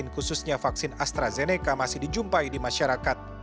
khususnya vaksin astrazeneca masih dijumpai di masyarakat